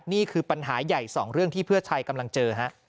นี่คือปัญหาใหญ่สองเรื่องที่เพื่อไทยกำลังเจอฮะ